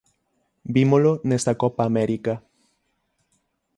Vímolo nesta Copa América.